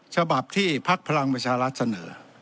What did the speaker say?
ฉบับที่พลักษณ์พลังบัญชารัฐเสนอ